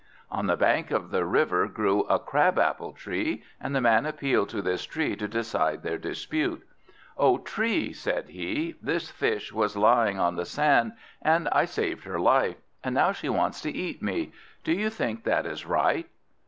On the bank of the river grew a Crab apple Tree, and the Man appealed to this Tree to decide their dispute. "O Tree," said he, "this Fish was lying on the sand, and I saved her life, and now she wants to eat me. Do you think that is right?"